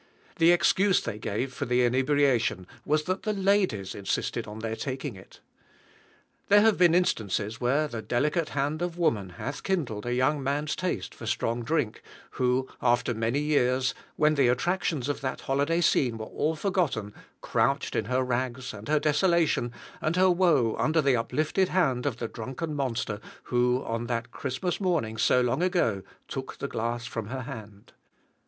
The excuse they gave for the inebriation was that the ladies insisted on their taking it. There have been instances where the delicate hand of woman hath kindled a young man's taste for strong drink, who after many years, when the attractions of that holiday scene were all forgotten, crouched in her rags, and her desolation, and her woe under the uplifted hand of the drunken monster who, on that Christmas morning so long ago, took the glass from her hand.